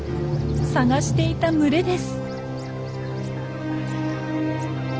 探していた群れです。